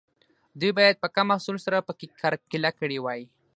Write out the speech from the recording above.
دوی باید په کم محصول سره پکې کرکیله کړې وای.